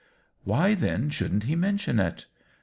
"Why, then, shouldn't he mention it